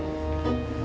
abis dijajanin sama dia